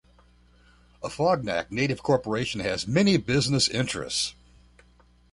Afognak Native Corporation has many business interests.